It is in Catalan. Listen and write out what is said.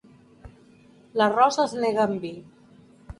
L'arròs es nega amb vi.